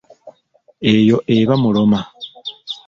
Eyo eba muloma.